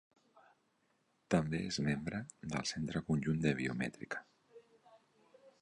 També és membre del Centre Conjunt de Bioètica.